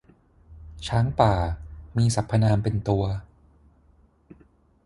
ช้างป่า มีสรรพนามเป็นตัว